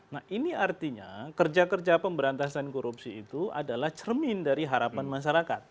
nah ini artinya kerja kerja pemberantasan korupsi itu adalah cermin dari harapan masyarakat